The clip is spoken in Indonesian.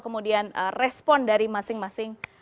kemudian respon dari masing masing